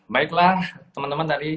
baiklah teman teman tadi